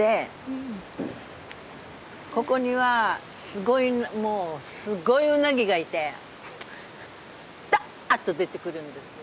ここにはすごいもうすごいウナギがいてダーッと出てくるんですよ。